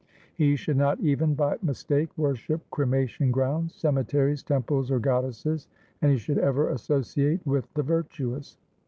He should not even by mistake worship cremation grounds, cemeteries, temples, or goddesses, and he should ever associate with the virtuous.